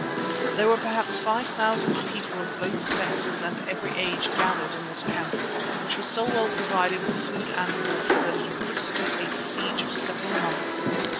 There were perhaps five thousand people of both sexes and every age gathered in this camp, which was so well provided with food and water that it could have stood a siege of several months.